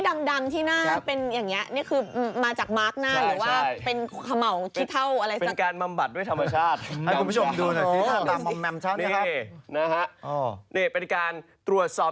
มาจากมาร์คหน้าหรือว่าเป็นขระเหมาที่เท่าอะไรสัก